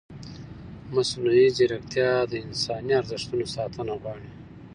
مصنوعي ځیرکتیا د انساني ارزښتونو ساتنه غواړي.